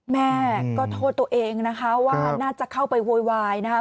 แม่ก็โทษตัวเองนะคะว่าน่าจะเข้าไปโวยวายนะคะ